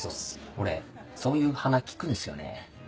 俺そういう鼻利くんですよね。